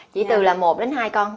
chỉ từ là một đến hai con